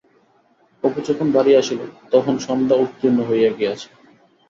অপু যখন বাড়ি আসিল, তখন সন্ধা উত্তীর্ণ হইয়া গিয়াছে।